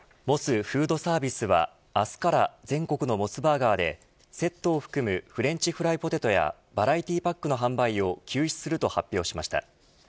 モスフードサービスは明日から全国のモスバーガーでセットを含むフレンチフライポテトやバラエティパックの販売を休止すると発表しました。